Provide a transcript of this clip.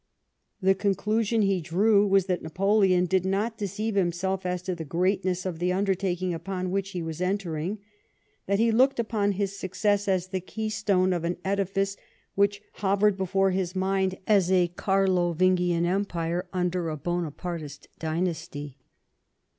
The conclusion he drew was that Napoleon did not deceive himself as to the greatness of the undertaking upon which he was entering; that he looked upon his success as " the keystone of an edifice THE WAR OF 1812. 77 wiiicli hovered before his mind as a Carlovlngian Empire under a Bonapartist dynasty."